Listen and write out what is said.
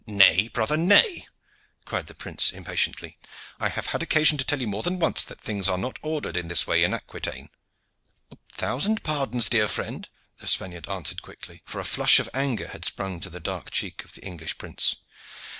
"Nay, brother, nay!" cried the prince impatiently. "I have had occasion to tell you more than once that things are not ordered in this way in Aquitaine." "A thousand pardons, dear friend," the Spaniard answered quickly, for a flush of anger had sprung to the dark cheek of the English prince.